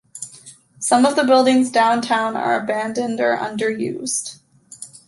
Some of the buildings downtown are abandoned or underused.